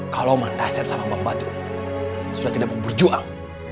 kalau mandasip dan bambadro sudah tidak mau berjuang